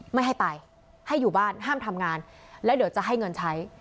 ไม่ให้ไปให้อยู่บ้านห้ามทำงานแล้วเดี๋ยวจะให้เงินใช้